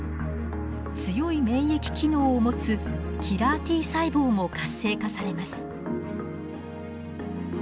強い免疫機能を持つキラーＴ細胞も活性化されます。